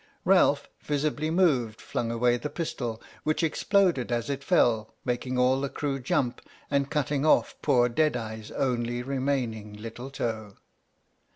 Ralph, visibly moved, flung away the pistol, which exploded as it fell, making all the crew jump and cutting off poor Deadeye's only remaining little toe.